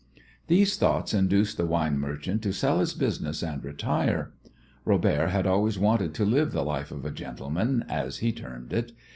These thoughts induced the wine merchant to sell his business and retire. Robert had always wanted to live the life of a gentleman, as he termed it.